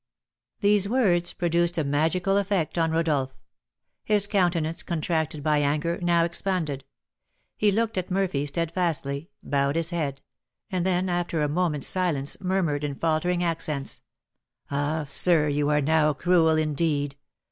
_" These words produced a magical effect on Rodolph. His countenance, contracted by anger, now expanded. He looked at Murphy steadfastly, bowed his head, and then, after a moment's silence, murmured, in faltering accents, "Ah, sir, you are now cruel, indeed.